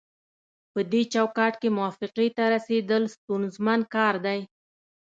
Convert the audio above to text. پدې چوکاټ کې موافقې ته رسیدل ستونزمن کار دی